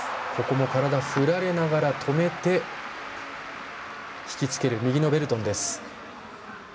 体を振られながら止めてひきつける、右のベルトンです。